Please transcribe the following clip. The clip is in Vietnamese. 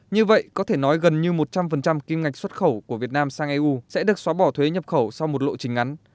như vậy có thể nói gần như một trăm linh kim ngạch xuất khẩu của việt nam sang eu sẽ được xóa bỏ thuế nhập khẩu sau một lộ trình ngắn